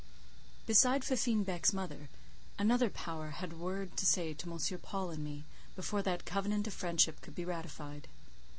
Besides Fifine Beck's mother, another power had a word to say to M. Paul and me, before that covenant of friendship could be ratified.